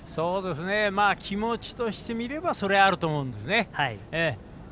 気持ちとしてみればそれはあると思いますね。